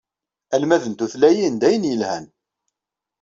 Almad n tutlayin d ayen yelhan.